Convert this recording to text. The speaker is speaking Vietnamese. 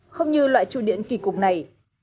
không như loại trụ điện kỳ cục này